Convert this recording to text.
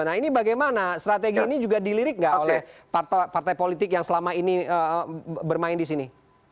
nah ini bagaimana strategi ini juga dilirik nggak oleh partai politik yang selama ini bermain di sini